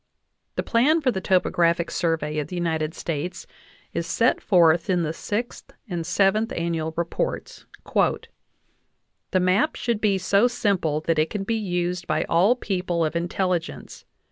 The plan for the topographic survey of the United States is set forth in the Sixth and Seventh Annual Reports. "The map should be so simple that it can be used by all people of intelligence.